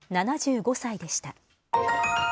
７５歳でした。